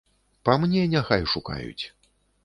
Па мне, няхай шукаюць.